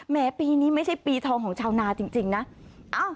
แม้ปีนี้ไม่ใช่ปีทองของชาวนาจริงนะ